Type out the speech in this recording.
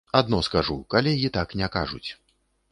Адно скажу, калегі так не кажуць.